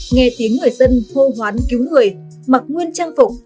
nghe tiếng người dân hô hoán cứu người mặc nguyên trang phục